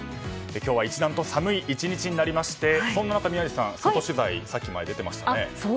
今日は一段と寒い１日になりましてそんな中、宮司さん取材に出ていましたね。